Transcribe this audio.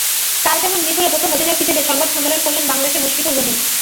কাল যেমন মিরপুরে প্রথম অধিনায়ক হিসেবে সংবাদ সম্মেলন করলেন বাংলাদেশের মুশফিকুর রহিম।